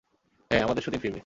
হ্যাঁ, আমাদের সুদিন ফিরবে।